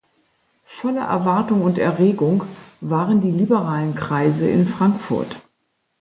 Voller Erwartung und Erregung waren die liberalen Kreise in Frankfurt.